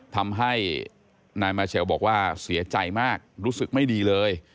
ทำให้นายมาเชลบอกว่าเสียใจมากรู้สึกไม่ดีเลย